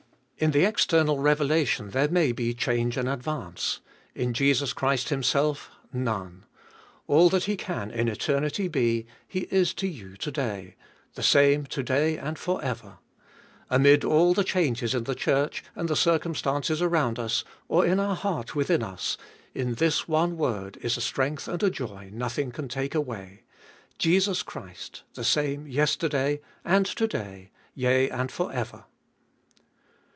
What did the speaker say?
In the external revelation there may be change and advance, in Jesus Christ Himself— none. All that He can in eternity be He is to you to day — the same to day and for ever. Amid all the changes in the Church and the circumstances around us, or in our heart within us, in this one word is a strength and a joy nothing can take away : Jesus Christ, the same yesterday and to day, yea and for ever.